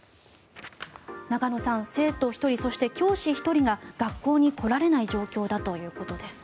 中野さん、生徒１人そして教師１人が学校に来られない状況だということです。